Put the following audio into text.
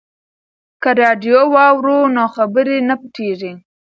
که راډیو واورو نو خبر نه پټیږي.